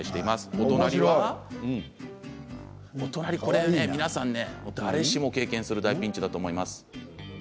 お隣は皆さん、誰しも経験する大ピンチだと思います。